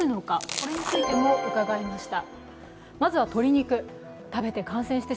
これについても伺いました。